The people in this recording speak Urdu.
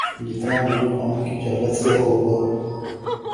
جتنا ہماری قوم کی جہالت سے ہو گا